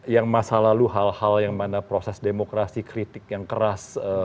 yang masa lalu hal hal yang mana proses demokrasi kritik yang keras